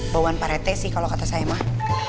bauan parete sih kalau kata saya mah